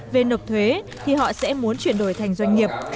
về nộp thuế thì họ sẽ muốn chuyển đổi thành doanh nghiệp